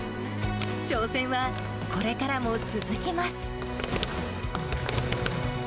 挑戦はこれからも続きます。